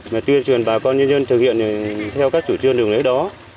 mà tuyên truyền bà con nhân dân thực hiện theo các chủ trương đường lễ đó